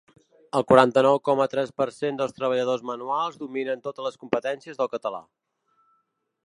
El quaranta-nou coma tres per cent dels treballadors manuals dominen totes les competències del català.